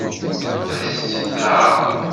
Ad as-tt-teɛṛeḍ?